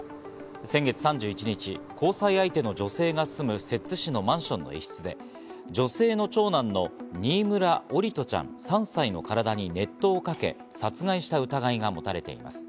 先月３１日、交際相手の女性が住む摂津市のマンションの一室で、女性の長男の新村桜利斗ちゃん、３歳の体に熱湯をかけ殺害した疑いがもたれています。